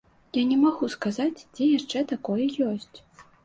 Я не магу сказаць, дзе яшчэ такое ёсць.